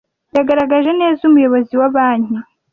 Yagaragaje neza umuyobozi wa banki.